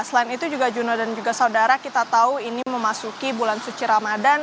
selain itu juga jurna dan juga saudara kita tahu ini memasuki bulan suci ramadan